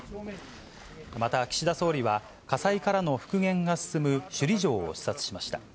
また岸田総理は、火災からの復元が進む首里城を視察しました。